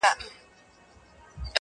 زه خو پاچا نه؛ خپلو خلگو پر سر ووهلم.